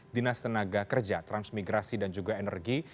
dinas tenaga kerja transmigrasi dan juga energi